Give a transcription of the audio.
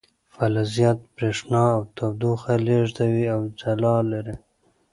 فلزات بریښنا او تودوخه لیږدوي او ځلا لري.